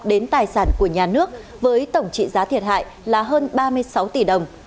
đến tài sản của nhà nước với tổng trị giá thiệt hại là hơn ba mươi sáu tỷ đồng